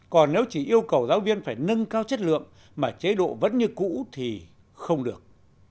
còn nếu chỉ yêu cầu giáo viên phải nâng cao chất lượng mà chế độ vẫn như cũ thì không được